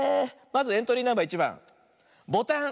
まずエントリーナンバー１ばんボタン。